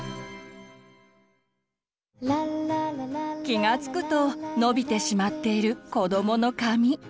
気がつくと伸びてしまっている子どもの髪。